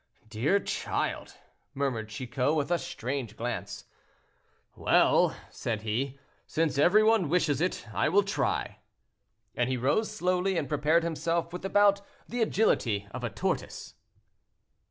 "Dear child," murmured Chicot, with a strange glance. "Well!" said he, "since every one wishes it, I will try," and he rose slowly, and prepared himself with about the agility of a tortoise.